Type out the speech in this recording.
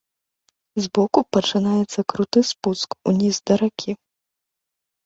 Збоку пачынаецца круты спуск уніз, да ракі.